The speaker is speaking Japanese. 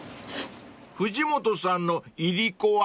［藤本さんのいりこは？］